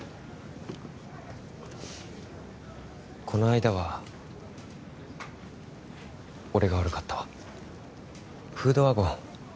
この間は俺が悪かったわフードワゴン